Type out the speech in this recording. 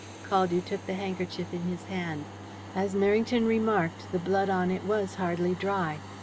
Caldew took the handkerchief in his hand. As Merrington remarked, the blood on it was hardly dry.